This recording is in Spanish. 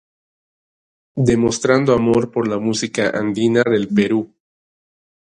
Demostrando amor por la música andina del Perú.